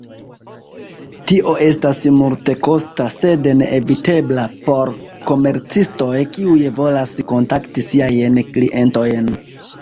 Tio estas multekosta, sed neevitebla por komercistoj kiuj volas kontakti siajn klientojn.